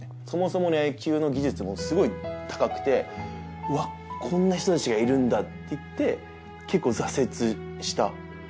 そもそもの野球の技術もすごい高くて「うわこんな人たちがいるんだ」っていって結構挫折した。